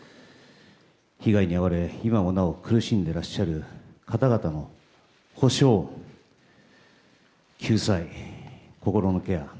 被害に遭われ、今もなお苦しんでいらっしゃる方々の補償・救済心のケア